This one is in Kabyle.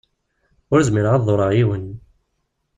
Ur zmireɣ ad ḍurreɣ yiwen.